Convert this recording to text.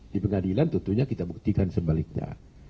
di pengadilan tentunya kita buktikan sebaliknya